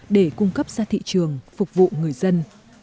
để cung cấp ra thị trường phục vụ người dân